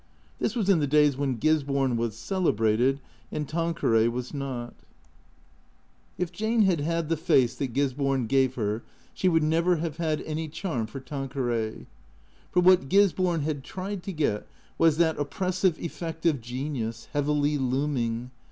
(This was in the days when Gisborne was celebrated and Tan queray was not.) 3 4 THE CEEATOES If Jane had had the face that Gisborne gave her she would never have had any charm for Tanqueray. For what Gisborne had tried to get was that oppressive effect of genius, heavily looming.